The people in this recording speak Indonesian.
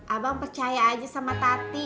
abang percaya aja sama tati